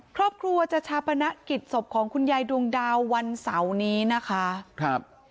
ครอบครัวจะชาปนกิจศพของคุณยายดวงดาววันเสาร์นี้นะคะครับ